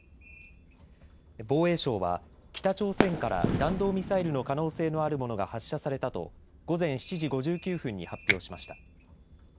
防衛省は北朝鮮から弾道ミサイルの可能性のあるものが発射されたと午前７時５９分に発表しました。